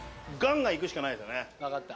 わかった。